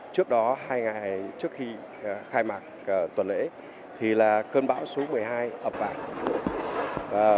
trước đó hai ngày trước khi khai mạc tuần lễ thì là cơn bão số một mươi hai ập vào hà nội